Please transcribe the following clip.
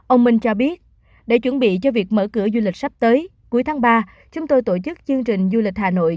ông minh cho biết để chuẩn bị cho việc mở cửa du lịch sắp tới cuối tháng ba chúng tôi tổ chức chương trình du lịch hà nội